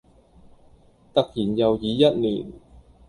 突然又已一年